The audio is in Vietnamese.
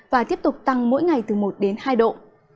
và tiếp tục tăng mỗi ngày từ một đến hai độ